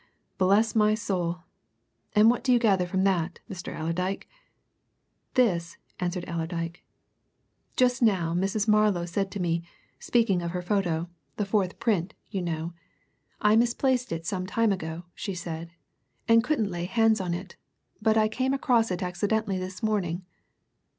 Bless my soul! And what do you gather from that, Mr. Allerdyke?" "This!" answered Allerdyke. "Just now, Mrs. Marlow said to me, speaking of her photo the fourth print, you know 'I misplaced it some time ago,' she said, 'and couldn't lay hands on it, but I came across it accidentally this morning.'